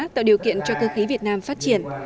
tạo điều kiện cho cơ khí việt nam phát triển